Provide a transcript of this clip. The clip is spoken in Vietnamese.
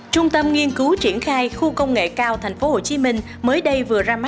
trung tâm nghiên cứu triển khai khu công nghệ cao tp hcm mới đây vừa ra mắt sản phẩm